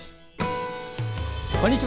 こんにちは。